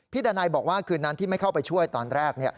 ดานัยบอกว่าคืนนั้นที่ไม่เข้าไปช่วยตอนแรก